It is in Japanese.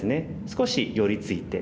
少し寄り付いて。